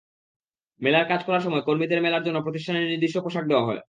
মেলার কাজ করার সময় কর্মীদের মেলার জন্য প্রতিষ্ঠানের নির্দিষ্ট পোশাক দেওয়া হয়।